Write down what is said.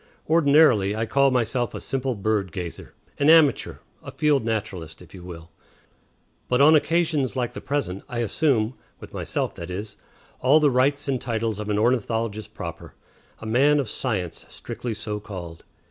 Ordinarily I call myself a simple bird gazer, an amateur, a field naturalist, if you will; but on occasions like the present I assume with myself, that is all the rights and titles of an ornithologist proper, a man of science strictly so called.